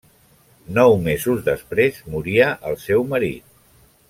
Nou mesos després moria el seu marit.